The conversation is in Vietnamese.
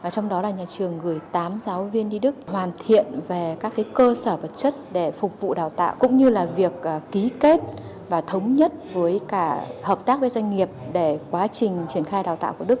trong đó là nhà trường gửi tám giáo viên đi đức hoàn thiện về các cơ sở vật chất để phục vụ đào tạo cũng như là việc ký kết và thống nhất với cả hợp tác với doanh nghiệp để quá trình triển khai đào tạo của đức